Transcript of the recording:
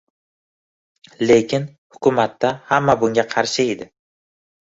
Lekin hukumatda hamma bunga qarshi edi